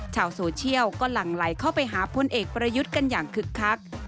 ชาวโซเชียลก็หลั่งไหลเข้าไปหาพลเอกประยุทธ์กันอย่างคึกคัก